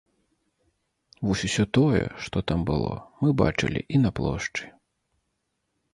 Вось усё тое, што там было, мы бачылі і на плошчы.